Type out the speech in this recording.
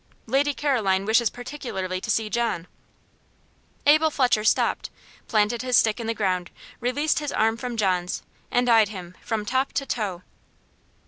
"Lady Caroline wishes particularly to see John." Abel Fletcher stopped, planted his stick in the ground, released his arm from John's, and eyed him from top to toe.